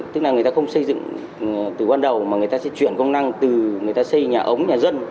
tức là người ta không xây dựng từ ban đầu mà người ta sẽ chuyển công năng từ người ta xây nhà ống nhà dân